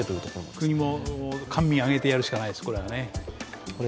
国も、官民挙げてやるしかないです。